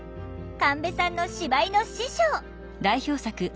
神戸さんの芝居の師匠！